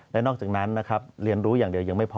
และนอกจากนั้นนะครับเรียนรู้อย่างเดียวยังไม่พอ